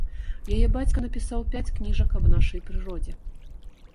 Яе бацька напісаў пяць кніжак аб нашай прыродзе.